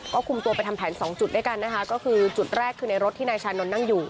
ก็คุมตัวไปทำแผนสองจุดด้วยกันนะคะก็คือจุดแรกคือในรถที่นายชานนท์นั่งอยู่